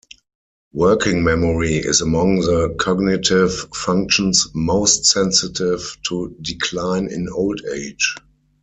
Working memory is among the cognitive functions most sensitive to decline in old age.